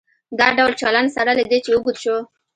دا ډول چلن سره له دې چې اوږد شو.